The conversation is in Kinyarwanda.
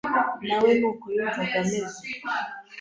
na we ni uko yumvaga ameze.